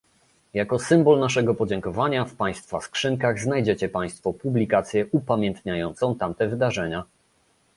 Jako symbol naszego podziękowania w państwa skrzynkach znajdziecie Państwo publikację upamiętniającą tamte wydarzenia